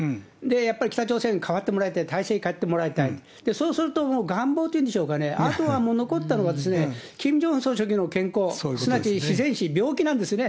やっぱり北朝鮮、かわってもらいたい、体制変えてもらいたい、そうするともう願望っていうんでしょうかね、あとは残ったのが、キム・ジョンウン総書記の健康、すなわち自然死、病気なんですよね。